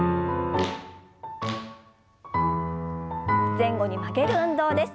前後に曲げる運動です。